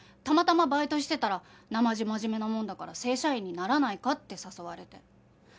たまたまバイトしてたらなまじ真面目なもんだから正社員にならないかって誘われて。